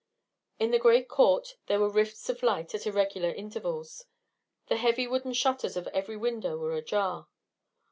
In the great court there were rifts of light at irregular intervals; the heavy wooden shutters of every window were ajar.